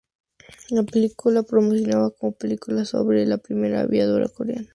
La película se promocionaba como "la película sobre la primera aviadora coreana".